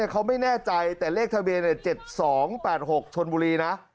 เขาไม่แน่ใจแต่เลขทะเบียน๗๒๘๖ชนบุรีนะ